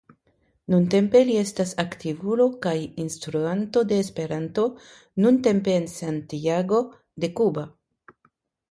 Nuntempe li estas aktivulo kaj instruanto de Esperanto nuntempe en Santiago de Cuba.